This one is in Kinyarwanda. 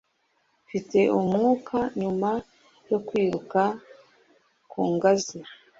Mfite umwuka nyuma yo kwiruka ku ngazi.